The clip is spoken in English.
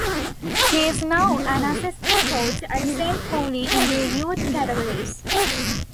He is now an assistant coach at Saint Pauli in their youth categories.